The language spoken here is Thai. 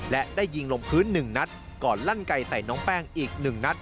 และได้ยิงลมพื้นหนึ่งนัดก่อนลั่นไกลใส่น้องแป้งอีกหนึ่งนัด